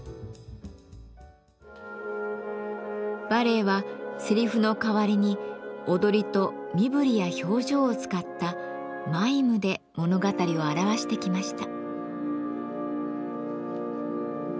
バレエはセリフの代わりに踊りと身振りや表情を使ったマイムで物語を表してきました。